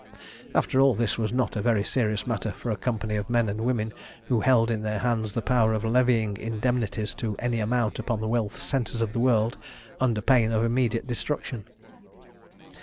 After all, this was not a very serious matter for a company of men and women who held in their hands the power of levying indemnities to any amount upon the wealth centres of the world under pain of immediate destruction.